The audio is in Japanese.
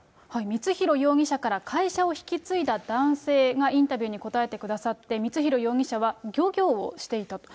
光弘容疑者から会社を引き継いだ男性がインタビューに答えてくださって、光弘容疑者は漁業をしていたと。